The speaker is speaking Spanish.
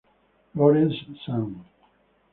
Lawrence Sun".